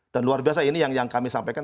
dan luar biasa ini yang kami sampaikan